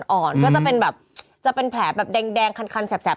อ่อนก็จะเป็นแบบจะเป็นแผลแบบแดงคันแสบ